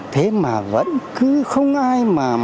thế mà vẫn cứ không ai mà